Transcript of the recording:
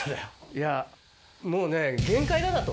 いやー、もうね、限界だなと。